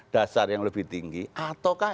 dasar yang lebih tinggi ataukah